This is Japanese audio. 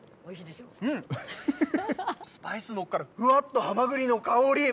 スパイスのほうからふわっとはまぐりの香り！